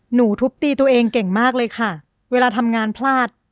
ทุบตีตัวเองเก่งมากเลยค่ะเวลาทำงานพลาด